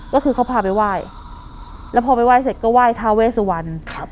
ก็คือเขาพาไปไหว้แล้วพอไปไหว้เสร็จก็ไหว้ทาเวสวันครับ